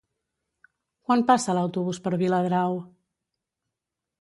Quan passa l'autobús per Viladrau?